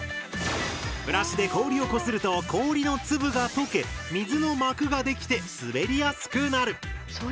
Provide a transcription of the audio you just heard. ブラシで氷をこすると氷の粒がとけ水の膜ができて滑りやすくなる。